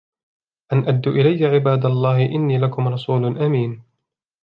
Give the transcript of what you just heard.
أَنْ أَدُّوا إِلَيَّ عِبَادَ اللَّهِ إِنِّي لَكُمْ رَسُولٌ أَمِينٌ